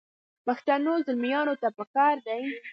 پښتنو زلمیانو ته پکار دي.